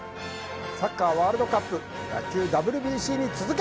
サッカーワールドカップ野球 ＷＢＣ に続け！